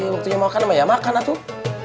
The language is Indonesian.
waktunya mau makan mah ya makan atuh